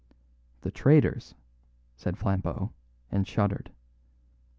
"The traitors," said Flambeau, and shuddered.